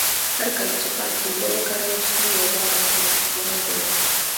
هرکله چې پاکې اوبه وکارول شي، وبا به خلک ونه ځوروي.